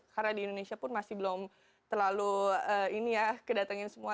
karena di indonesia pun masih belum terlalu ini ya kedatengin semua